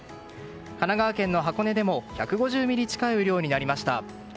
神奈川県の箱根でも１５０ミリ近い雨量になりました。